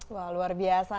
wah luar biasa